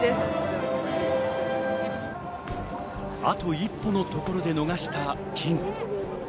あと一歩のところで逃した金。